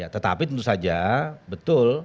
tetapi tentu saja betul